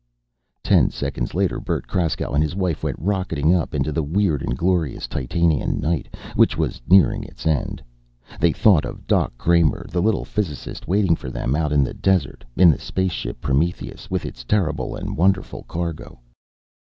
Ten seconds later Bert Kraskow and his wife went rocketing up into the weird and glorious Titanian night, which was nearing its end. They thought of Doc Kramer, the little physicist, waiting for them out in the desert, in the space ship, Prometheus, with its terrible and wonderful cargo.